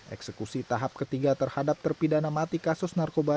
eksekusi tahap ketiga terhadap terpidana mati kasus narkoba